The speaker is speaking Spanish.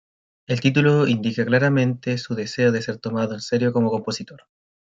El título indica claramente su deseo de ser tomado en serio como compositor.